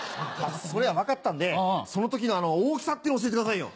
それは分かったんでその時の大きさっていうのを教えてくださいよ。